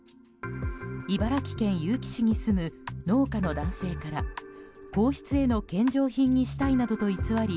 茨城県結城市に住む農家の男性から皇室への献上品にしたいなどと偽り